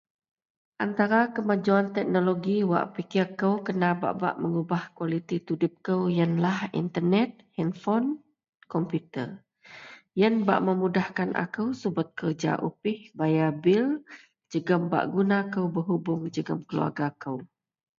Antara kemajuan teknoloji wak pikir kou kena bak-bak mengubah kualiti tudip kou yenlah intenet, henpon, komputer. Yen bak memudahkan akou subet kereja upih, bayar bil jegem bak guna kou bak behubung jegem keluarga kou.